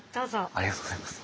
ありがとうございます。